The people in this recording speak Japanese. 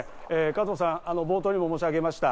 加藤さん、冒頭にも申しあげました。